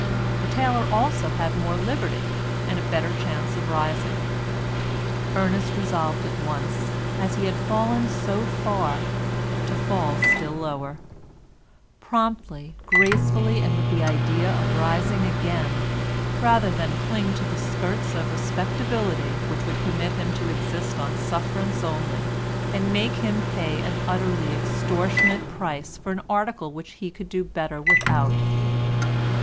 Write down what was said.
The tailor also had more liberty, and a better chance of rising. Ernest resolved at once, as he had fallen so far, to fall still lower—promptly, gracefully and with the idea of rising again, rather than cling to the skirts of a respectability which would permit him to exist on sufferance only, and make him pay an utterly extortionate price for an article which he could do better without.